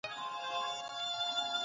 آیا تاسو غواړئ یو بریالی مدیر سئ؟